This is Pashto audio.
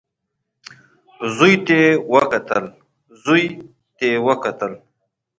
زوی ته يې وکتل.